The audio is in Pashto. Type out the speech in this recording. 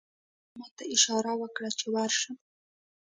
قومندان ماته اشاره وکړه چې ورشم